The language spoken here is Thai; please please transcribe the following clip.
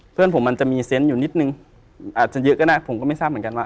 เพื่อนผมมันจะมีเซนต์อยู่นิดนึงอาจจะเยอะก็ได้ผมก็ไม่ทราบเหมือนกันว่า